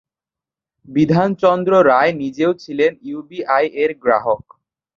বিধানচন্দ্র রায় নিজেও ছিলেন ইউবিআই-এর গ্রাহক।